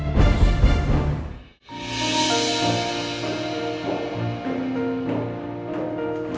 tunggu sebentar ya